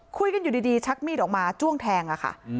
คุยกันอยู่ดีชักมีดออกมาจ้วงแทงอะค่ะ